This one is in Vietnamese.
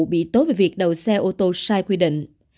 bị tố về việc đổ xe ô tô sai quy định